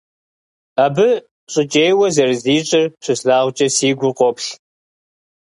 Абы щӀыкӀейуэ зэрызищӀыр щыслъагъукӀэ, си гур къоплъ.